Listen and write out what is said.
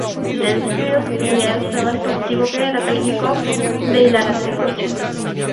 The Film Fiend fue más positivo, que la calificó de "hilarante cursi".